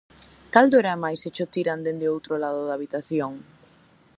Cal doerá máis se cho tiran dende o outro lado da habitación?